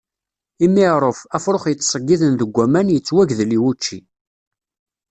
Imiɛṛuf, afṛux yettṣeggiden deg waman yettwagdel i wučči.